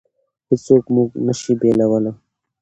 هېڅوک موږ نشي بېلولی.